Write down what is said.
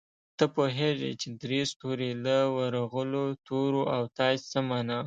ته پوهېږې چې درې ستوري، له ورغلو تورو او تاج څه مانا؟